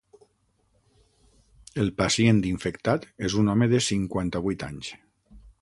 El pacient infectat és un home de cinquanta-vuit anys.